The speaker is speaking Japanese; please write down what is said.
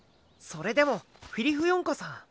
それでもフィリフヨンカさん